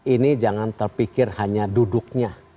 ini jangan terpikir hanya duduknya